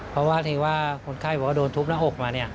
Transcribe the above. เพราะว่าถ้าคนไข้บอกว่าโดนทุบหน้าหกมา